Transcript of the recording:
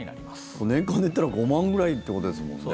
これ、年間で言ったら５万くらいということですもんね。